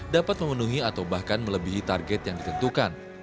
dapat memenuhi atau bahkan melebihi target yang ditentukan